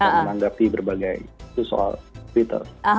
menanggapi berbagai soal twitter